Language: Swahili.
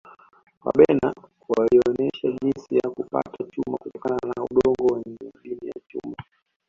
Wabena walionesha jinsi ya kupata chuma kutokana na udongo wenye madini ya chuma